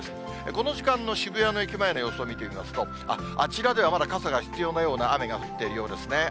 この時間の渋谷の駅前の様子を見てみますと、あちらではまだ傘が必要なような雨が降っているようですね。